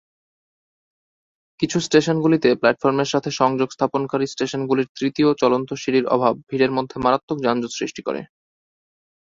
কিছু স্টেশনগুলিতে প্ল্যাটফর্মের সাথে সংযোগ স্থাপনকারী স্টেশনগুলির তৃতীয় চলন্ত সিঁড়ির অভাব ভিড়ের সময়ে মারাত্মক যানজট সৃষ্টি করে।